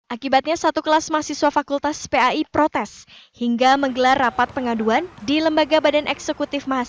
akibatnya satu kelas mahasiswa fakultas pai protes hingga menggelar rapat pengaduan di lembaga badan eksekutif mahasiswa